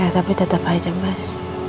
tapi tetap baik mas